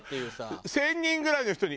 １０００人ぐらいの人に。